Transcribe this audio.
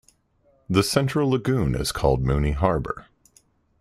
The central lagoon is called Mooney Harbor.